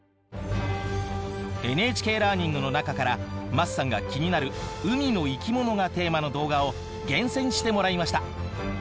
ＮＨＫラーニングの中から桝さんが気になる海の生き物がテーマの動画を厳選してもらいました。